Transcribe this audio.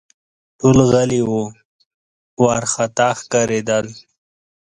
ټول غلي وه ، وارخطا ښکارېدل